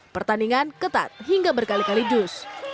pertandingan ketat hingga berkali kali dus